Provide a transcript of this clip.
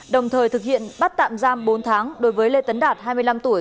đồng thời thực hiện bắt tạm giam bốn tháng đối với lê tấn đạt hai mươi năm tuổi